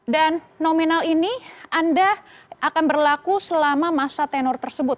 dan nominal ini anda akan berlaku selama masa tenor tersebut